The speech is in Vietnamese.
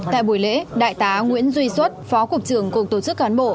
tại buổi lễ đại tá nguyễn duy xuất phó cục trưởng cục tổ chức cán bộ